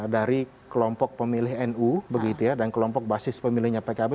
dari kelompok pemilih nu begitu ya dan kelompok basis pemilihnya pkb